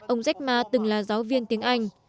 ông jack ma từng là giáo viên tiếng anh